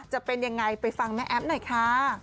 จะเป็นยังไงไปฟังแม่แอ๊บหน่อยค่ะ